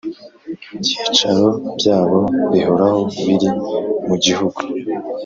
Byicaro byabyo bihoraho biri mu gihugu